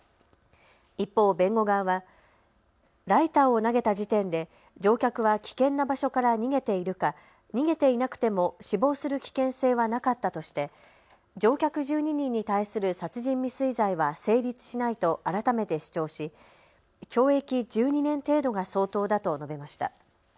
一方、弁護側はライターを投げた時点で乗客は危険な場所から逃げているか逃げていなくても死亡する危険性はなかったとして乗客１２人に対する殺人未遂罪は成立しないと改めて主張し懲役１２年程度が相当だと述べました。